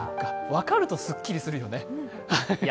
分かるとすっきりするよね。